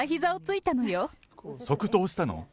即答したの？